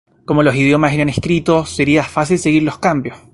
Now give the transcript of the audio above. Como los idiomas eran escritos sería fácil seguir los cambios.